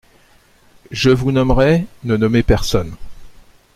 Je vous nommerai … Ne nommez personne.